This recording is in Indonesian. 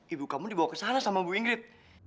ibu kamu dibawa kesana sama bu ingrid